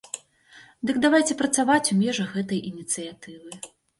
Дык давайце працаваць у межах гэтай ініцыятывы.